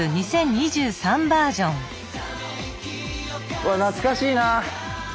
うわ懐かしいな。